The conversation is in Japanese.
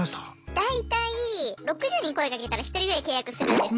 大体６０人声かけたら１人ぐらい契約するんです。